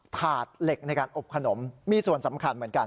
ถาดเหล็กในการอบขนมมีส่วนสำคัญเหมือนกัน